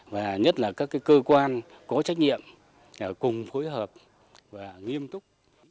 và nhất là các cơ quan có trách nhiệm cùng phối hợp và nghiêm túc